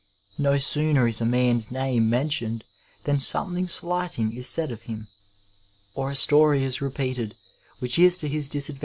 No sooner is a man's name mentioned than something slighting is said of him, or a story is repeated which is to his disad.